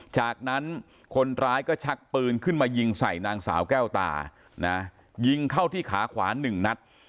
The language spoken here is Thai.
จากนั้นคนร้ายก็ชักปืนขึ้นมายิงใส่นางสาวแก้วตานะยิงเข้าที่ขาขวาหนึ่งนัด